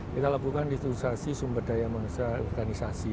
kita lakukan restitusiasi sumber daya organisasi